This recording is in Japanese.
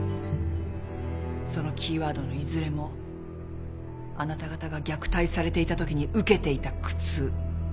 そのキーワードのいずれもあなた方が虐待されていたときに受けていた苦痛。